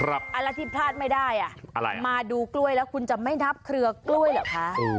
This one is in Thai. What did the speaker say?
แล้วที่พลาดไม่ได้มาดูกล้วยแล้วคุณจะไม่นับเครือกล้วยเหรอคะ